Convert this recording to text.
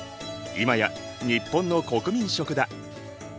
今や日本の国民食だ。